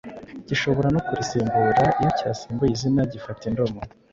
gishobora no kurisimbura. Iyo cyasimbuye izina, gifata indomo.